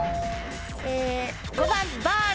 ５番バーム。